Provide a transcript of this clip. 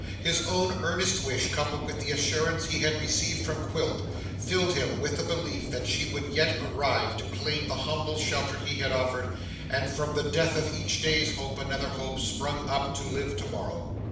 His own earnest wish, coupled with the assurance he had received from Quilp, filled him with the belief that she would yet arrive to claim the humble shelter he had offered, and from the death of each day's hope another hope sprung up to live to morrow.